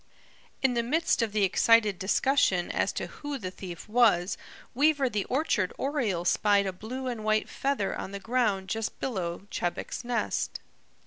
In the midst of the excited discussion as to who the thief was, Weaver the Orchard Oriole spied a blue and white feather on the ground just below Chebec's nest.